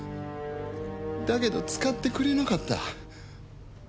だけど使ってくれなかった。